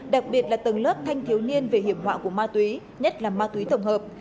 đặc biệt là tầng lớp thanh thiếu niên về hiểm họa của ma túy nhất là ma túy tổng hợp